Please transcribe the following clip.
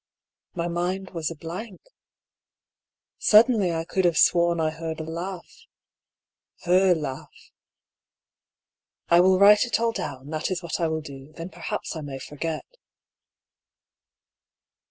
My mind was a blank. Suddenly I could have sworn I heard a laugh — her laugh. I will write it all down, that is what I will do ; then perhaps I may forget.